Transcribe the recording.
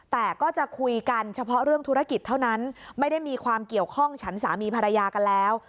แต่ก็จะคุยกันเฉพาะเรื่องธุรกิจเท่านั้นไม่ได้มีความเกี่ยวข้องฉันสามีภรรยากันแล้ว